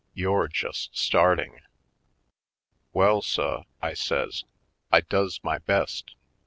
You're just starting." "Well, suh," I says, "I does my best.